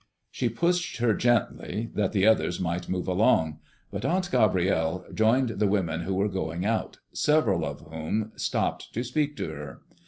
She pushed her gently, that the others might move along; but Aunt Gabrielle joined the women who were going out, several of whom stopped to speak to her.